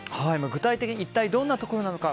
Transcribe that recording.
具体的に一体どんなところなのか。